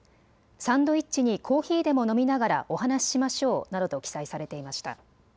サンドイッチにコーヒーでも飲みながらお話ししましょうなどと記載されていました。